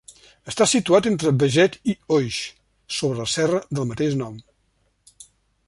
Està situat entre Beget i Oix sobre la serra del mateix nom.